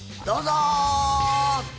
どうぞ！